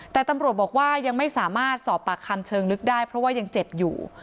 แต่ตำรวจบอกว่ายังไม่สามารถสอบปากคำเชิงลึกได้เพราะว่ายังเจ็บอยู่